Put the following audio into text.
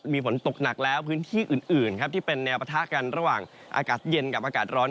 มีฝนตกหนักแล้วพื้นที่อื่นครับที่เป็นแนวปะทะกันระหว่างอากาศเย็นกับอากาศร้อน